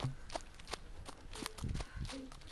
Los corazones se utilizan como moneda para adquirir armas.